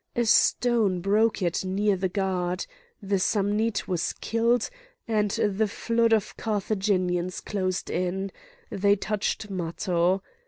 A stone broke it near the guard; the Samnite was killed and the flood of Carthaginians closed in, they touched Matho.